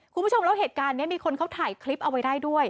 คุณผู้ชมแล้วเหตุการณ์นี้มีคนเขาถ่ายคลิปเอาไว้ได้ด้วย